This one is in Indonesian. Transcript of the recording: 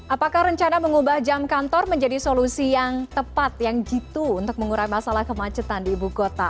apakah rencana mengubah jam kantor menjadi solusi yang tepat yang jitu untuk mengurai masalah kemacetan di ibu kota